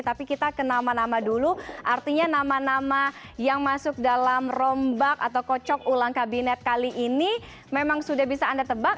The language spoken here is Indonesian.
tapi kita ke nama nama dulu artinya nama nama yang masuk dalam rombak atau kocok ulang kabinet kali ini memang sudah bisa anda tebak